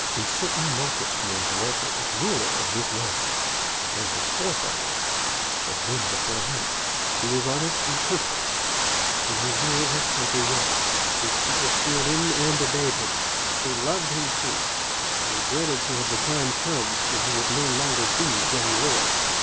A certain marquis named Walter was ruler of this land, as his forefathers had been before him. He was honest and courteous, and he ruled his country well. His people feared him t^t Ckxi'B tait 139 and obeyed him, but they loved him, too, and they dreaded to have the time come when he would no longer be their lord.